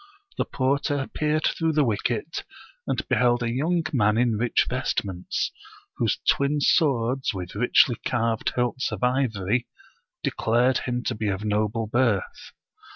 The porter peered through the wicket, and beheld a young man in rich vestments, whose twin swords with richly carved hilts of ivory declared him to be of noble birth.